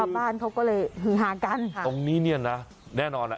บ้านเขาก็เลยฮือหากันตรงนี้เนี่ยนะแน่นอนอ่ะ